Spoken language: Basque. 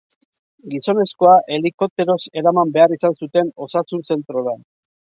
Gizonezkoa helikopteroz eraman behar izan zuten osasun zentrora.